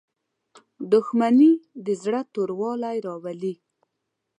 • دښمني د زړه توروالی راولي.